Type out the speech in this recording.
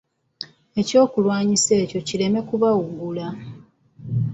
Ekyokulwanyisa ekyo kireme kubawugula.